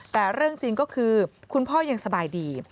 แต่เรื่องจริงก็คือคุณพ่อยังสบายดี